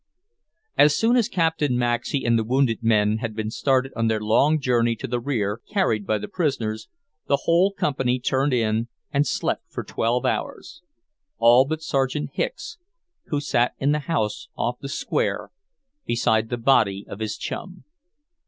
As soon as Captain Maxey and the wounded men had been started on their long journey to the rear, carried by the prisoners, the whole company turned in and slept for twelve hours all but Sergeant Hicks, who sat in the house off the square, beside the body of his chum.